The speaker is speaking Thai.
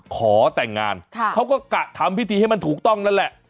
ขอแต่งงานเขาก็กะทำพิธีให้มันถูกต้องนั่นแหละ